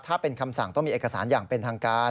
ถ้าเป็นคำสั่งต้องมีเอกสารอย่างเป็นทางการ